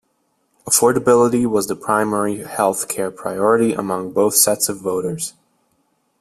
Affordability was the primary health care priority among both sets of voters.